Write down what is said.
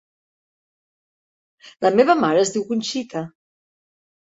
La meva mare es diu Conxita.